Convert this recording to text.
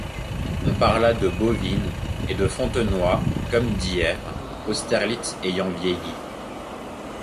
On parla de Bouvines et de Fontenoy comme d'hier, Austerlitz ayant vieilli.